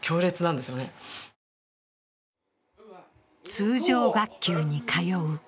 通常学級に通う。